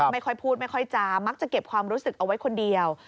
ไม่ค่อยพูดไม่ค่อยจามักจะเก็บความรู้สึกเอาไว้คนเดียว